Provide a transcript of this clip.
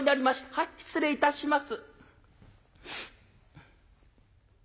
はい失礼いたします」。